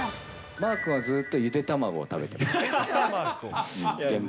まーくんはずっとゆで卵を食べてましたね。